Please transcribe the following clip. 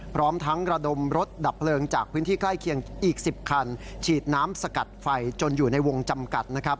พร้อมทั้งระดมรถดับเพลิงจากพื้นที่ใกล้เคียงอีก๑๐คันฉีดน้ำสกัดไฟจนอยู่ในวงจำกัดนะครับ